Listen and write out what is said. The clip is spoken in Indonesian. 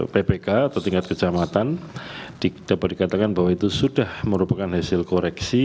ppk atau tingkat kecamatan dapat dikatakan bahwa itu sudah merupakan hasil koreksi